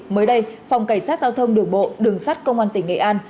mới đây phòng cảnh sát giao thông đường bộ đường sát công an tỉnh nghệ an